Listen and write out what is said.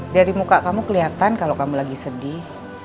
dari muka kamu kelihatan kalau kamu lagi sedih